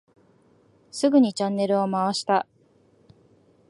すぐにチャンネルを回した。